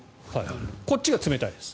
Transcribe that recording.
こっちが冷たいです。